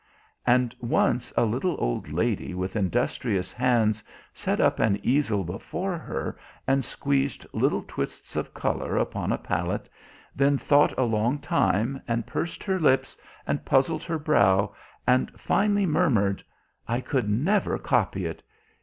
And once a little old lady with industrious hands set up an easel before her and squeezed little twists of colour upon a palette, then thought a long time and pursed her lips, and puzzled her brow and finally murmured, "I could never copy it.